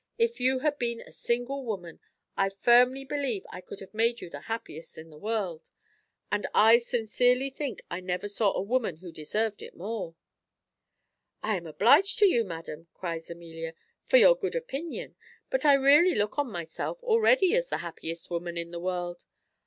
if you had been a single woman, I firmly believe I could have made you the happiest in the world. And I sincerely think I never saw a woman who deserved it more." "I am obliged to you, madam," cries Amelia, "for your good opinion; but I really look on myself already as the happiest woman in the world.